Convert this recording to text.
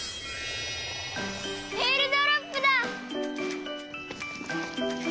えーるドロップだ！